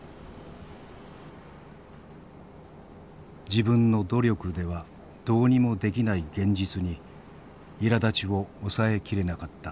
自分の努力ではどうにもできない現実にいらだちを抑え切れなかった。